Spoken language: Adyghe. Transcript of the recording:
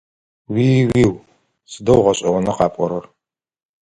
Уи-уиу! Сыдэу гъэшӏэгъона къапӏорэр!